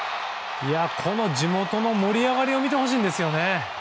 地元の盛り上がりを見てほしいですね。